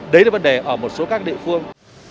đấy là vấn đề ở một số các địa phương